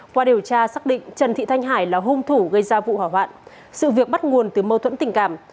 qua điều tra xác định trần thị thanh hải là hung thủ gây ra vụ hỏa hoạn sự việc bắt nguồn từ mâu thuẫn tình cảm